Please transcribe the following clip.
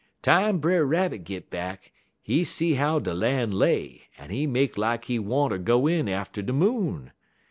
"Time Brer Rabbit git back, he see how de lan' lay, en he make lak he wanter go in atter de Moon.